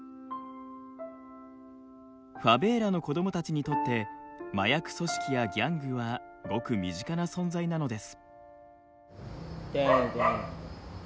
ファベーラの子どもたちにとって麻薬組織やギャングはごく身近な存在なのです。